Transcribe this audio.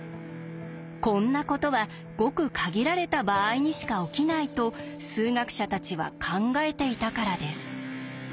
こんなことはごく限られた場合にしか起きないと数学者たちは考えていたからです。